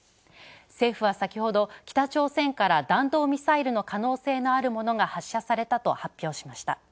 政府は先ほど、北朝鮮から弾道ミサイルの可能性のあるものが、発射されたと発表しました。